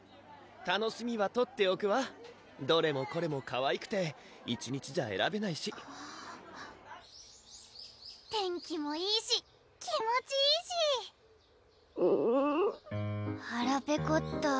楽しみは取っておくわどれもこれもかわいくて１日じゃえらべないし天気もいいし気持ちいいしはらペコった！